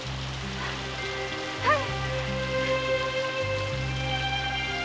はい！